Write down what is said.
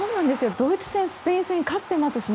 ドイツ戦、スペイン戦勝ってますしね。